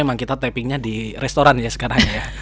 emang kita tappingnya di restoran ya sekarang ya